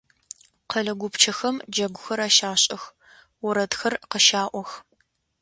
Къэлэ гупчэхэм джэгухэр ащашӏых, орэдхэр къыщаӏох.